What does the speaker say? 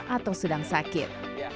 atau sedang sakit